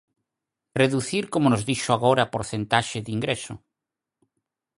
¿Reducir, como nos dixo agora, a porcentaxe de ingreso?